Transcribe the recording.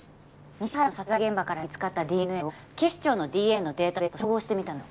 西原の殺害現場から見つかったＤＮＡを警視庁のＤＮＡのデータベースと照合してみたのよ。